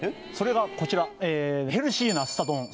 それがこちらヘルシーなすた丼